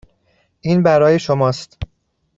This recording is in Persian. این برای شماست.